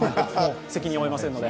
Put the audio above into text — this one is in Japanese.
責任を負えませんので。